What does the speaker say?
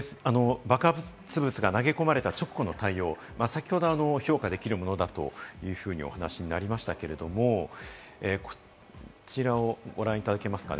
爆発物が投げ込まれた直後の対応、先ほど評価できるものだというふうにお話にありましたけど、こちらをご覧いただけますか？